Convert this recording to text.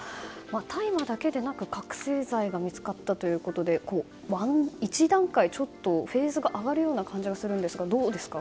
大麻だけでなく覚醒剤が見つかったということで一段階フェーズが上がるような感じがするんですがどうですか。